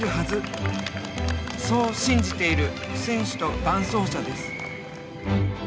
そう信じている選手と伴走者です。